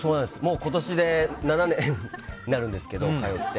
今年で７年になるんですけど通って。